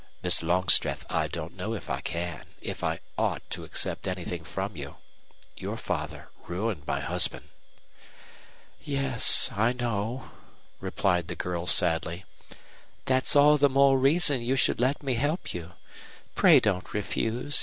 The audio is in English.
Miss Longstreth, I don't know if I can if I ought accept anything from you. Your father ruined my husband." "Yes, I know," replied the girl, sadly. "That's all the more reason you should let me help you. Pray don't refuse.